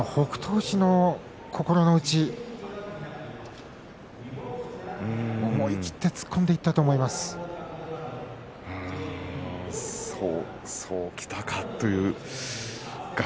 富士の心のうち思い切って突っ込んでいったと思いますが。